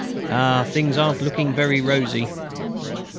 Ah! Things aren't looking very rosy...."